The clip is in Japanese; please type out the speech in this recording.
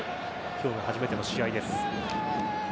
今日が初めての試合です。